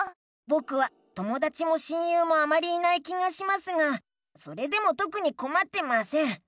ぼくはともだちも親友もあまりいない気がしますがそれでもとくにこまってません。